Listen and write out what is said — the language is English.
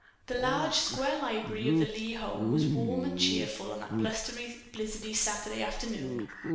The large, square library of the Lee home was warm and cheerful on that blustery, blizzardy Saturday afternoon.